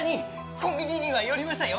コンビニには寄りましたよ。